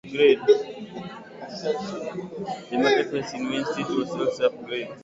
The Marketplace in Main Street was also upgraded.